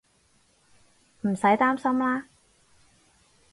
唔使擔心喇